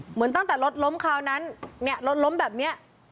เหมือนตั้งแต่รถล้มคราวนั้นเนี่ยรถล้มแบบนี้